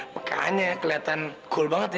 makanya kelihatan cool banget ya